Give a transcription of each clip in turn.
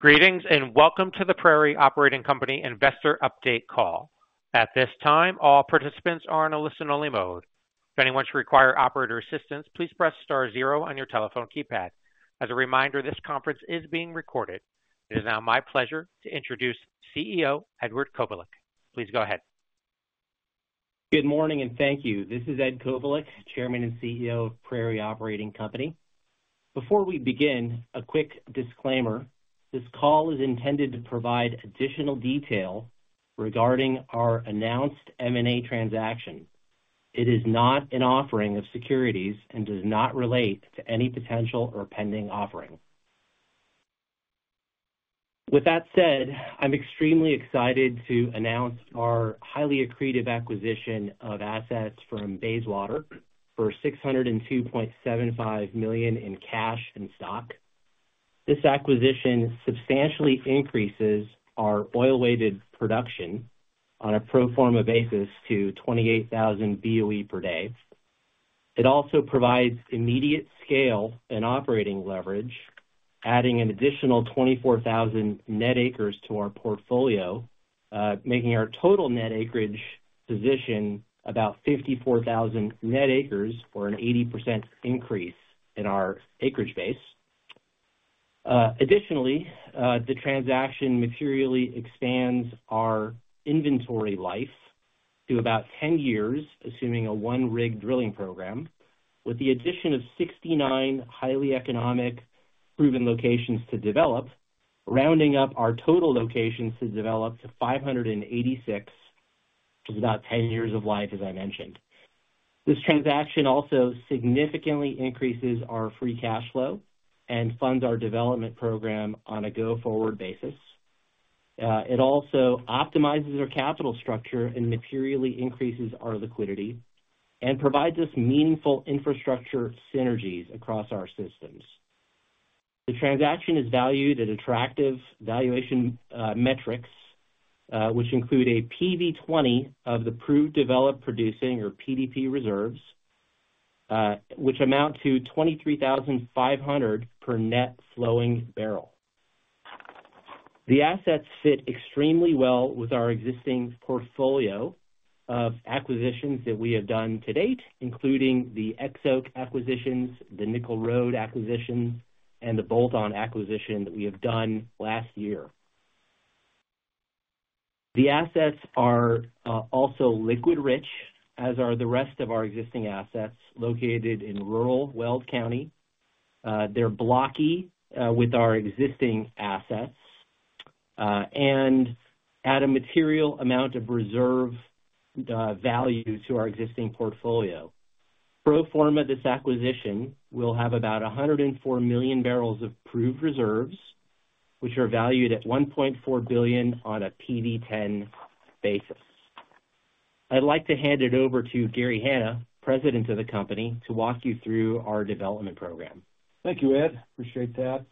Greetings and welcome to the Prairie Operating Company Investor Update Call. At this time, all participants are in a listen-only mode. If anyone should require operator assistance, please press star zero on your telephone keypad. As a reminder, this conference is being recorded. It is now my pleasure to introduce CEO Edward Kovalik. Please go ahead. Good morning and thank you. This is Ed Kovalik, Chairman and CEO of Prairie Operating Company. Before we begin, a quick disclaimer: this call is intended to provide additional detail regarding our announced M&A transaction. It is not an offering of securities and does not relate to any potential or pending offering. With that said, I'm extremely excited to announce our highly accretive acquisition of assets from Bayswater for $602.75 million in cash and stock. This acquisition substantially increases our oil-weighted production on a pro forma basis to 28,000 BOE per day. It also provides immediate scale and operating leverage, adding an additional 24,000 net acres to our portfolio, making our total net acreage position about 54,000 net acres for an 80% increase in our acreage base. Additionally, the transaction materially expands our inventory life to about 10 years, assuming a one-rig drilling program, with the addition of 69 highly-economic proven locations to develop, rounding up our total locations to develop to 586, which is about 10 years of life, as I mentioned. This transaction also significantly increases our free cash flow and funds our development program on a go-forward basis. It also optimizes our capital structure and materially increases our liquidity and provides us meaningful infrastructure synergies across our systems. The transaction is valued at attractive valuation metrics, which include a PV20 of the proved developed producing, or PDP, reserves, which amount to $23,500 per net flowing barrel. The assets fit extremely well with our existing portfolio of acquisitions that we have done to date, including the Exoak Acquisitions, the Nickel Road Acquisitions, and the Bolt-on Acquisition that we have done last year. The assets are also liquid-rich, as are the rest of our existing assets located in rural Weld County. They're blocky with our existing assets and add a material amount of reserve value to our existing portfolio. Pro forma this acquisition will have about 104 million barrels of proved reserves, which are valued at $1.4 billion on a PV10 basis. I'd like to hand it over to Gary Hanna, President of the Company, to walk you through our development program. Thank you, Ed. Appreciate that.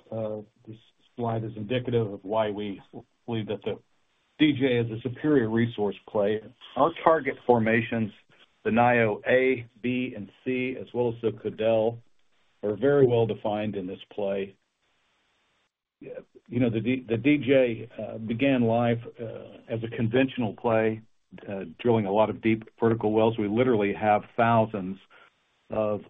This slide is indicative of why we believe that the DJ is a superior resource play. Our target formations, the Nio A, B, and C, as well as the Codell, are very well defined in this play. The DJ began life as a conventional play drilling a lot of deep vertical wells. We literally have thousands of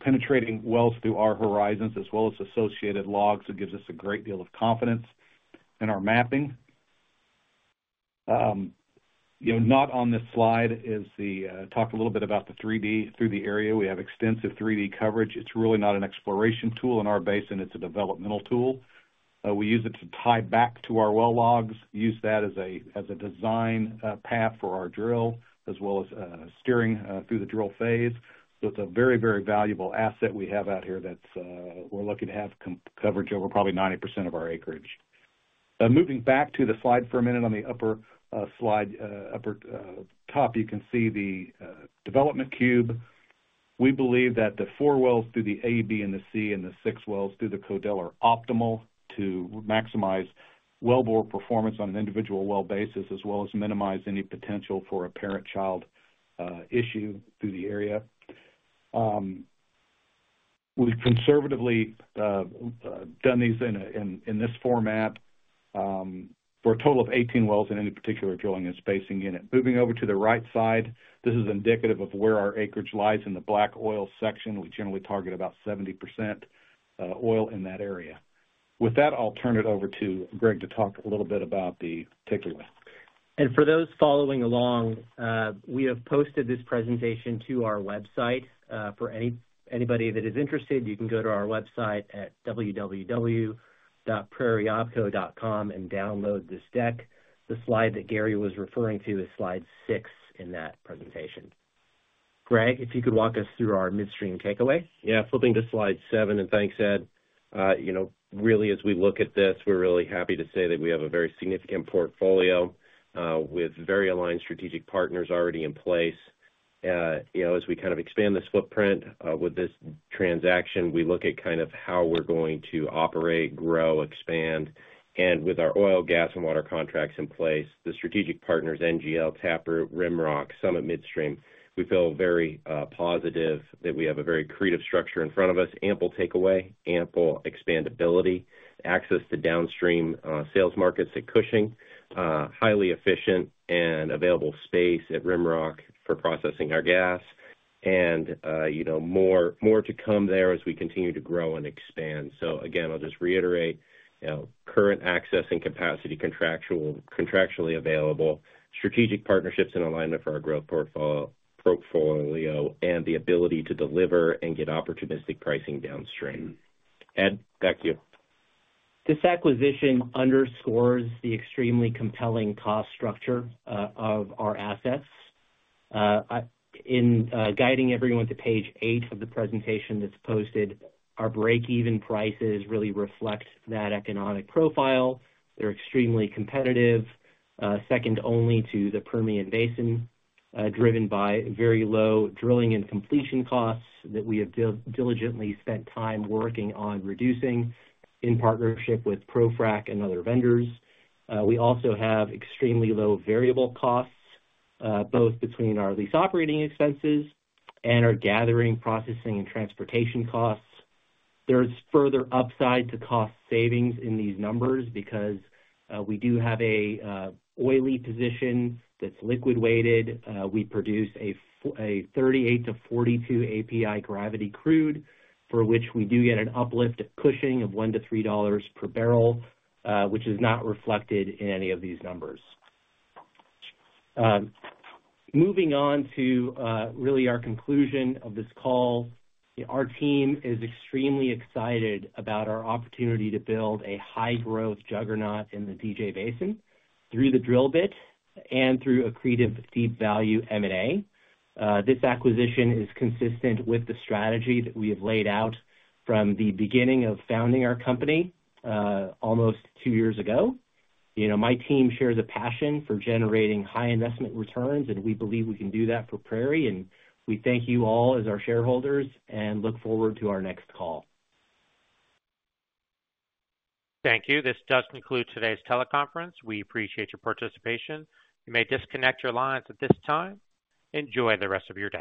penetrating wells through our horizons, as well as associated logs, that gives us a great deal of confidence in our mapping. Not on this slide is the talk a little bit about the 3D through the area. We have extensive 3D coverage. It's really not an exploration tool in our basin. It's a developmental tool. We use it to tie back to our well logs, use that as a design path for our drill, as well as steering through the drill phase. It's a very, very valuable asset we have out here that we're lucky to have coverage over probably 90% of our acreage. Moving back to the slide for a minute, on the upper slide, upper top, you can see the development cube. We believe that the four wells through the A, B, and the C, and the six wells through the Codell are optimal to maximize wellbore performance on an individual well basis, as well as minimize any potential for a parent-child issue through the area. We've conservatively done these in this format for a total of 18 wells in any particular drilling and spacing unit. Moving over to the right side, this is indicative of where our acreage lies in the black oil section. We generally target about 70% oil in that area. With that, I'll turn it over to Greg to talk a little bit about the particular. For those following along, we have posted this presentation to our website. For anybody that is interested, you can go to our website at www.prairieopco.com and download this deck. The slide that Gary was referring to is slide six in that presentation. Greg, if you could walk us through our midstream takeaway. Yeah, flipping to slide seven, and thanks, Ed. Really, as we look at this, we're really happy to say that we have a very significant portfolio with very aligned strategic partners already in place. As we kind of expand this footprint with this transaction, we look at kind of how we're going to operate, grow, expand. With our oil, gas, and water contracts in place, the strategic partners, NGL, Taproot, Rimrock, Summit Midstream, we feel very positive that we have a very creative structure in front of us, ample takeaway, ample expandability, access to downstream sales markets at Cushing, highly efficient and available space at Rimrock for processing our gas, and more to come there as we continue to grow and expand. I'll just reiterate current access and capacity, contractually available, strategic partnerships in alignment for our growth portfolio, and the ability to deliver and get opportunistic pricing downstream. Ed, back to you. This acquisition underscores the extremely compelling cost structure of our assets. In guiding everyone to page eight of the presentation that's posted, our break-even prices really reflect that economic profile. They're extremely competitive, second only to the Permian Basin, driven by very low drilling and completion costs that we have diligently spent time working on reducing in partnership with ProFrac and other vendors. We also have extremely low variable costs, both between our lease operating expenses and our gathering, processing, and transportation costs. There's further upside to cost savings in these numbers because we do have an oily position that's liquid-weighted. We produce a 38-42 API gravity crude for which we do get an uplift at Cushing of $1-$3 per barrel, which is not reflected in any of these numbers. Moving on to really our conclusion of this call, our team is extremely excited about our opportunity to build a high-growth juggernaut in the DJ Basin through the drill bit and through accretive deep value M&A. This acquisition is consistent with the strategy that we have laid out from the beginning of founding our company almost two years ago. My team shares a passion for generating high investment returns, and we believe we can do that for Prairie. We thank you all as our shareholders and look forward to our next call. Thank you. This does conclude today's teleconference. We appreciate your participation. You may disconnect your lines at this time. Enjoy the rest of your day.